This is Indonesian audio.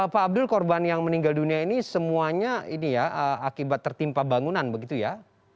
pak abdul korban yang meninggal dunia ini semuanya ini ya akibat tertimpa bangunan begitu ya